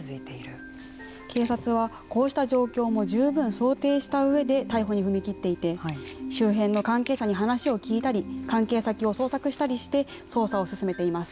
警察はこうした状況も十分想定したうえで逮捕に踏み切っていて周辺の関係者に話を聞いたり関係先を捜索したりして捜査を進めています。